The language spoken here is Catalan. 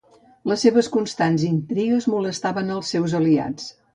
Les seves constants intrigues molestaven als seus aliats.